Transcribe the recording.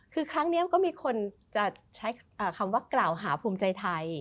คือครั้งนี้ก็มีคนจะใช้คำว่ากล่าวหาภูมิใจไทย